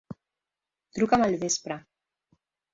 Truca'm al vespre.